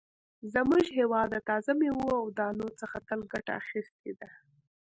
زموږ هېواد د تازه مېوو او دانو څخه تل ګټه اخیستې ده.